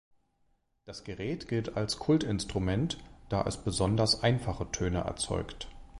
Das Gerät gilt als Kult-Instrument, da es besonders einfache Töne erzeugt.